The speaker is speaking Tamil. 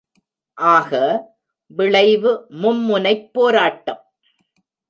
ஆக, விளைவு மும்முனைப் போராட்டம்.